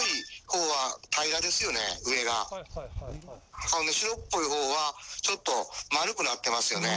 ほんで白っぽいほうはちょっと丸くなってますよね。